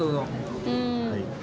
はい。